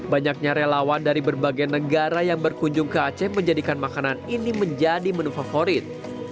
banyaknya relawan dari berbagai negara yang berkunjung ke aceh menjadikan makanan ini menjadi menu favorit